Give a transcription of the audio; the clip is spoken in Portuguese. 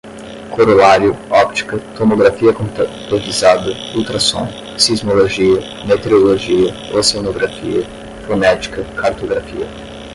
corolário, óptica, tomografia computadorizada, ultrassom, sismologia, meteorologia, oceanografia, fonética, cartografia